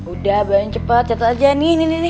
udah bayangin cepet catet aja nih